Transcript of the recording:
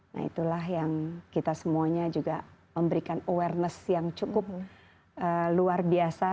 nah itulah yang kita semuanya juga memberikan awareness yang cukup luar biasa